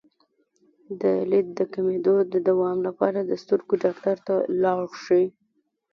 د لید د کمیدو د دوام لپاره د سترګو ډاکټر ته لاړ شئ